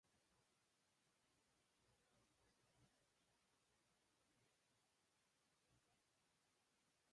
There are pretty villages but don't come here looking for spectacular scenery.